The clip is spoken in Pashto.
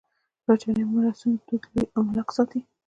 برېتانيه میراثونو دود لوی املاک ساتي.